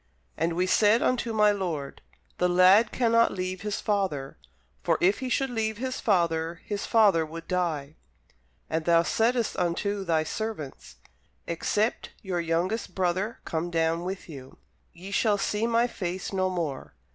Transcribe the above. And we said unto my lord, The lad cannot leave his father: for if he should leave his father, his father would die. And thou saidst unto thy servants, Except your youngest brother come down with you, ye shall see my face no more.